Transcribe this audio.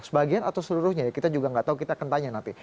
sebagian atau seluruhnya ya kita juga nggak tahu kita akan tanya nanti